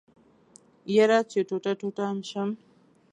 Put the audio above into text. يره چې ټوټه ټوټه ام شم.